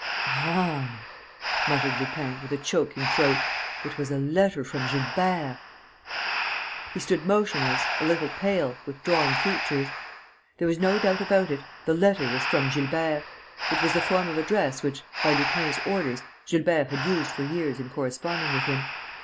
"Ah!" muttered Lupin, with a choking throat. "It was a letter from Gilbert!" He stood motionless, a little pale, with drawn features. There was no doubt about it: the letter was from Gilbert. It was the form of address which, by Lupin's orders, Gilbert had used for years in corresponding with him.